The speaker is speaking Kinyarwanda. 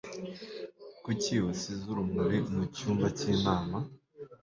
Kuki wasize urumuri mucyumba cy'inama?